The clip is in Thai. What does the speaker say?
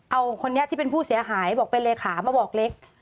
เอาคนนี้ที่เป็นผู้เสียหายบอกเป็นเลขามาบอกเล็ก